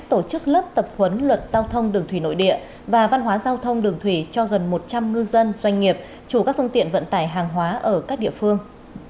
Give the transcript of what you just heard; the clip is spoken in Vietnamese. tổ chức lớp tập huấn luật giao thông đường thủy nội địa và văn hóa giao thông đường thủy cho gần một trăm linh ngư dân doanh nghiệp chủ các phương tiện vận tải hàng hóa ở các địa phương